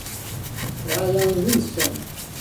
Ryan Wilson